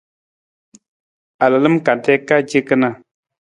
A lalam kante ka ce kana.